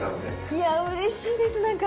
いや、うれしいです、なんか。